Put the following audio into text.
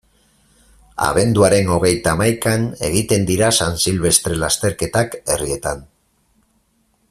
Abenduaren hogeita hamaikan egiten dira San Silvestre lasterketak herrietan.